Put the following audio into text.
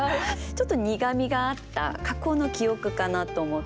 ちょっと苦みがあった過去の記憶かなと思って。